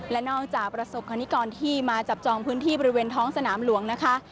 และนอกจากประสบคณิกรที่มาจับจองพื้นที่บริเวณท้องสนามหลวงนะคะ